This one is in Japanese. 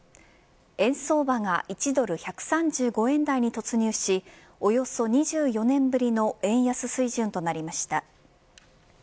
円相場が１ドル１３５円台に突入しおよそ２４年ぶりの円安水準となりました。